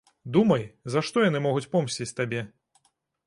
Думай, за што яны могуць помсціць табе.